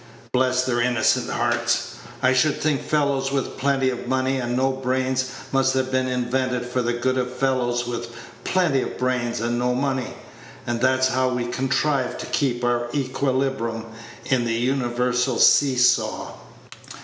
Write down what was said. Bless their innocent hearts! I should think fellows with plenty of money and no brains must have been invented for the good of fellows with plenty of brains and no money; and that's how we contrive to keep our equilibrium in the universal see saw."